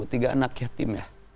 tiga anak yatim ya